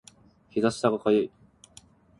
膝下が痒い